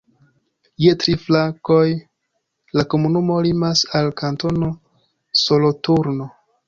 Je tri flankoj la komunumo limas al Kantono Soloturno.